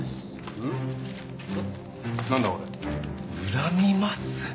「恨みます」。